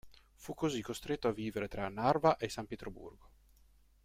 Fu così costretto a vivere tra Narva e San Pietroburgo.